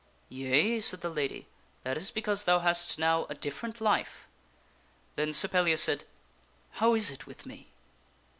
" Yea," said the lady, " that is because thou hast now a different life." Then Sir Pellias said, " How is it with me